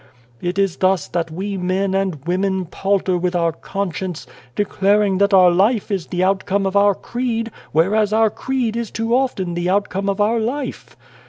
11 It is thus that we men and women palter with our conscience, declaring that our life is the outcome of our creed, whereas our creed is too often the outcome of our life.